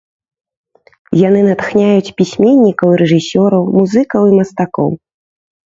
Яны натхняюць пісьменнікаў і рэжысёраў, музыкаў і мастакоў.